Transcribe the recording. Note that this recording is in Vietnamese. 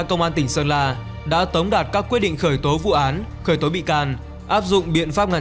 công an tỉnh sơn la đã tống đạt các quyết định khởi tố vụ án khởi tố bị can áp dụng biện pháp ngăn